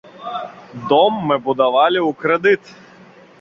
Дом мы будавалі ў крэдыт.